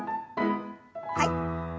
はい。